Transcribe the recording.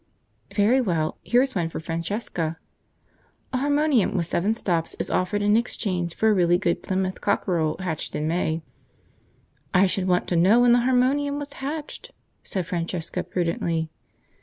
"Very well, here is one for Francesca "'A harmonium with seven stops is offered in exchange for a really good Plymouth cockerel hatched in May.'" "I should want to know when the harmonium was hatched," said Francesca prudently.